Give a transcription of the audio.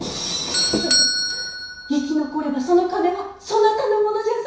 生き残ればその金はそなたのものじゃぞ。